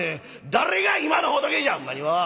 「誰が今の仏じゃほんまにもう！